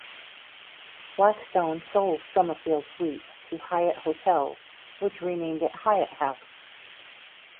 Blackstone sold Summerfield Suites to Hyatt Hotels, which renamed it Hyatt House.